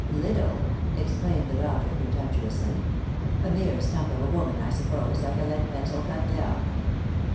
" Little !" exclaimed the doctor contemptuously, " a mere stump of a woman, I suppose, like a lead pencil cut down."